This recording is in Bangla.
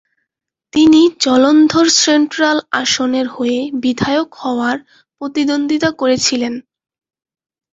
তিনি জলন্ধর সেন্ট্রাল আসনের হয়ে বিধায়ক হওয়ার প্রতিদ্বন্দ্বিতা করেছিলেন।